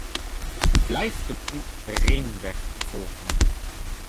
Blijf de borden "Ringweg" volgen.